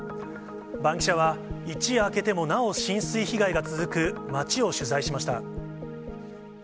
バンキシャ！は、一夜明けてもなお浸水被害が続く街を取材しました。